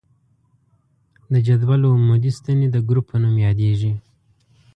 د جدول عمودي ستنې د ګروپ په نوم یادیږي.